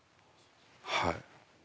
はい。